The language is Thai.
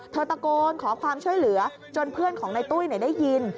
ตะโกนขอความช่วยเหลือจนเพื่อนของในตุ้ยได้ยิน